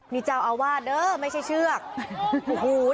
นี่เจ้าอาวาสเดอะไม่ใช่ชื่ออาวาส